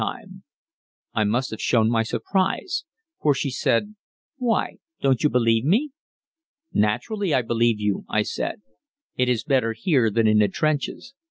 I must have shown my surprise, for she said, "Why, don't you believe me?" "Naturally, I believe you," I said; "it is better here than in the trenches.